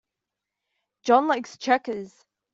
John likes checkers.